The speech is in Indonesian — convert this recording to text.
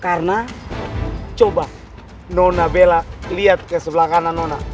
karena coba nona bella lihat ke sebelah kanan nona